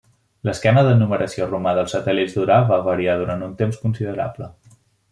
L'esquema de numeració romà dels satèl·lits d'Urà va variar durant un temps considerable.